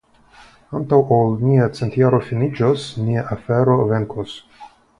Antaŭ ol nia centjaro finiĝos, nia afero venkos.